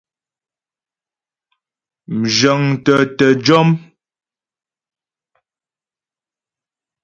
Mzhə̌ŋtə tə jɔ́m.